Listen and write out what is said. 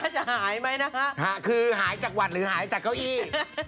ช่วยละเบื่อตัวเองมากเลย